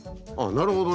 なるほどね。